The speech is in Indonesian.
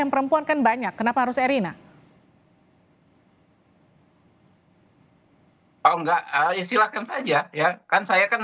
yang perempuan kan banyak kenapa harus erina oh enggak ya silakan saja ya kan saya kan